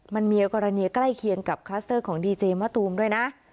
มันมีกรณีใกล้เคียงกับคลัสเตอร์ของดีเจมะตูมด้วยนะ